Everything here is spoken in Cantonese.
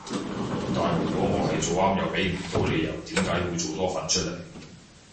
但如果我係做啱又畀唔到理由點解會再做多份出嚟